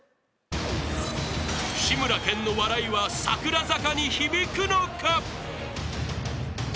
［志村けんの笑いは櫻坂に響くのか？］